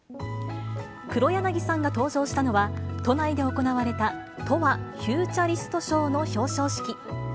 黒柳さんが登場したのは、都内で行われた、澄和フューチャリスト賞の表彰式。